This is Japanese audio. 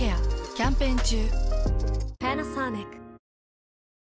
キャンペーン中。